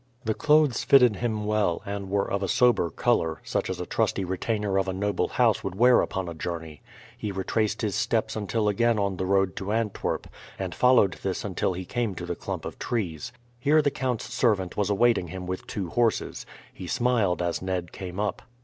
The clothes fitted him well, and were of a sober colour, such as a trusty retainer of a noble house would wear upon a journey. He retraced his steps until again on the road to Antwerp, and followed this until he came to the clump of trees. Here the count's servant was awaiting him with two horses. He smiled as Ned came up.